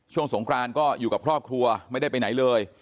สงครานก็อยู่กับครอบครัวไม่ได้ไปไหนเลย